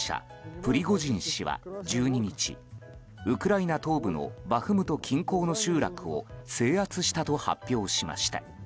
プリコジン氏は１２日ウクライナ東部のバフムト近郊の集落を制圧したと発表しました。